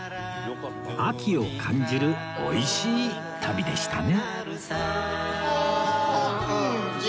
秋を感じる美味しい旅でしたね